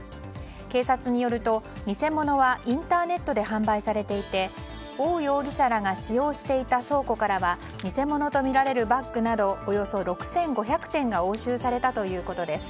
警察によると、偽物はインターネットで販売されていて、オウ容疑者らが使用していた倉庫からは偽物とみられるバッグなどおよそ６５００点が押収されたということです。